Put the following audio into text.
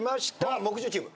木１０チーム。